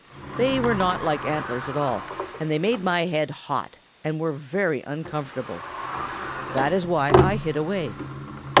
They were not like antlers at all, and they made my head hot and were very uncomfortable. That is why I hid away.